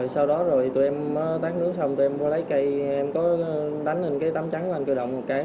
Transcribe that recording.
sau đó tụi em tát nước xong tụi em lấy cây em có đánh lên cái tấm trắng của anh cơ động một cái